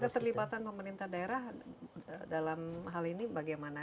keterlibatan pemerintah daerah dalam hal ini bagaimana